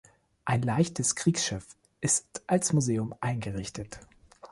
Ein leichtes Kriegsschiff ist als Museum eingerichtet.